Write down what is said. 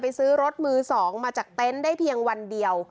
ไปซื้อรถมือสองมาจากเตนของได้เพียงวันเดียว